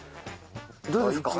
どうですか？